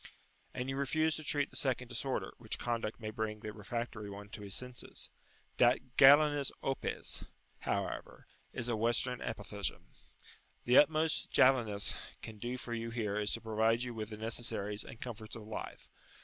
And you refuse to treat the second disorder, which conduct may bring the refractory one to his senses. "Dat Galenus opes," however, is a Western apothegm: the utmost "Jalinus" can do for you here is to provide you with the necessaries and comforts of life.